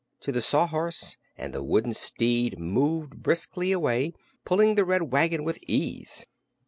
to the Sawhorse and the wooden steed moved briskly away, pulling the Red Wagon with ease.